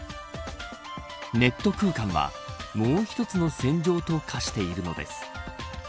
ネット空間はもう一つの戦場と化しているのです。